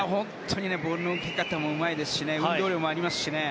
ボールの受け方もうまいですし運動量もありますしね。